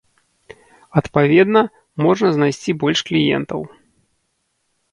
Адпаведна, можна знайсці больш кліентаў.